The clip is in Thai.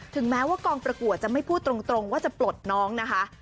แม้ว่ากองประกวดจะไม่พูดตรงว่าจะปลดน้องนะคะ